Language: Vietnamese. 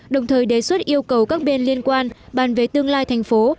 đồng thời đề xuất yêu cầu các bên liên quan bàn về tương lai thành phố